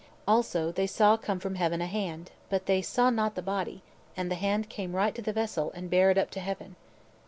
Also they saw come from heaven a hand, but they saw not the body; and the hand came right to the vessel and bare it up to heaven.